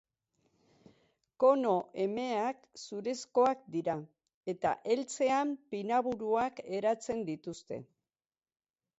Kono emeak zurezkoak dira eta heltzean pinaburuak eratzen dituzte.